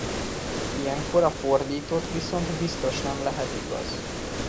Ilyenkor a fordított viszont biztos nem lehet igaz.